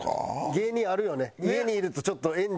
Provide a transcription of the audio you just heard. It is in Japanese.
芸人あるよね。